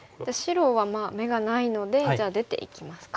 白は眼がないのでじゃあ出ていきますか。